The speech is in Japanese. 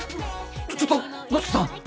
ちょっと五色さん！